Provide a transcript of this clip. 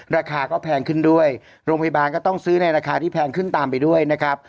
ราคาก็แพงขึ้นด้วยโรงพยาบาลก็ต้องซื้อในราคาที่แพงขึ้นตามไปด้วยนะครับ